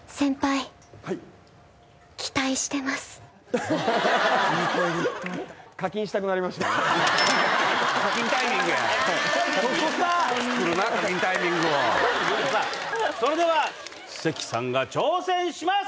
はいそれでは関さんが挑戦します